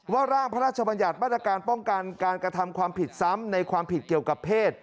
ร่างพระราชบัญญัติมาตรการป้องกันการกระทำความผิดซ้ำในความผิดเกี่ยวกับเพศ